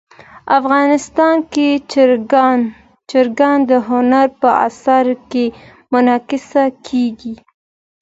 افغانستان کې چرګان د هنر په اثار کې منعکس کېږي.